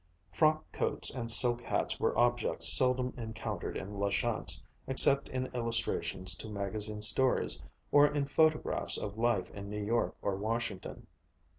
Frock coats and silk hats were objects seldom encountered in La Chance, except in illustrations to magazine stories, or in photographs of life in New York or Washington.